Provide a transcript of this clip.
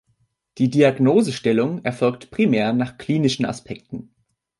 Die Diagnosestellung erfolgt primär nach klinischen Aspekten.